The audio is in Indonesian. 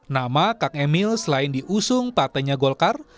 nama kang emil selain diusung partainya golkar